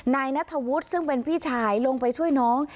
นายนัทธวุฒิซึ่งเป็นพี่ชายลงไปช่วยน้อง